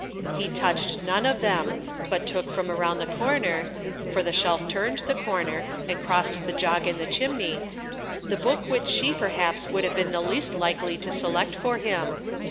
He touched none of them, but took from around the corner, for the shelf turned the corner and crossed the jog in the chimney, the book which she perhaps would have been the least likely to select for him.